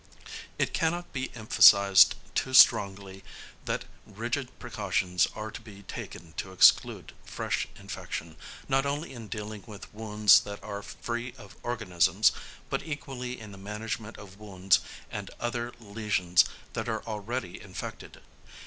It cannot be emphasised too strongly that rigid precautions are to be taken to exclude fresh infection, not only in dealing with wounds that are free of organisms, but equally in the management of wounds and other lesions that are already infected.